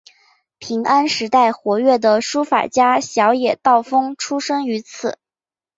平安时代活跃的书法家小野道风出身于此。